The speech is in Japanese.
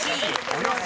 ［およそ